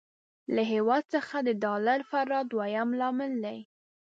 له هېواد څخه د ډالر فرار دويم لامل دی.